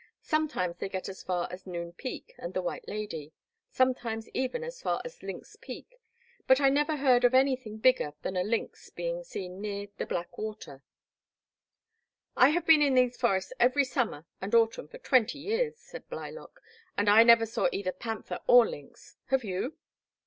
Sometimes they get as far as Noon Peak and the White Lady, sometimes even as far as Lynx Peak, but I never heard of any thing bigger than a lynx being seen near the Black Water/' I have been in these forests every summer and autumn for twenty years,'* said Blylock, and I never saw either panther or lynx; have you?"